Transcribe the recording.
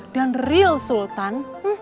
dan real sultan